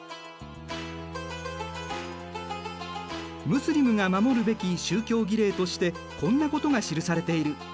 ムスリムが守るべき宗教儀礼としてこんなことが記されている。